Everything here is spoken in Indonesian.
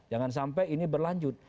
jangan sampai ini berlanjut